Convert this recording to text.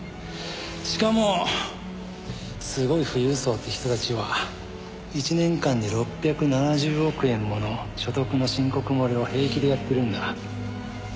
しかもすごい富裕層って人たちは１年間で６７０億円もの所得の申告漏れを平気でやってるんだ。